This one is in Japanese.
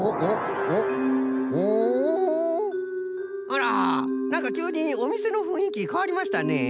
あらなんかきゅうにおみせのふんいきかわりましたね。